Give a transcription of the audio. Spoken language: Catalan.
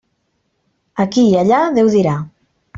Aquí i allà, Déu dirà.